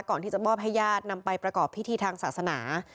ก่อนที่จะมอบให้ญาตินำไปประกอบพิธีทางศาสนา